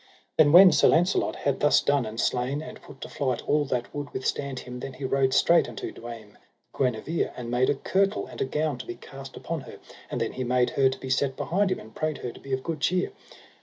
Then when Sir Launcelot had thus done, and slain and put to flight all that would withstand him, then he rode straight unto Dame Guenever, and made a kirtle and a gown to be cast upon her; and then he made her to be set behind him, and prayed her to be of good cheer.